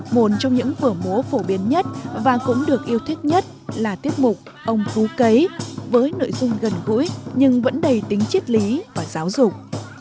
một trong những vở múa phổ biến nhất và cũng được yêu thích nhất là tiết mục ông phú cấy với nội dung gần gũi nhưng vẫn đầy tính chiết lý và giáo dục